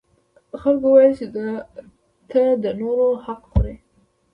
خلکو وویل چې ته د نورو حق خوري.